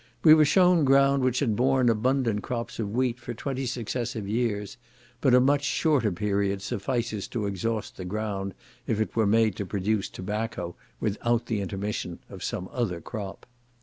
We were shewn ground which had borne abundant crops of wheat for twenty successive years; but a much shorter period suffices to exhaust the ground, if it were made to produce tobacco without the intermission of some other crop.